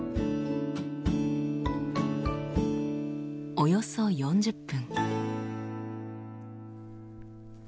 およそ４０分。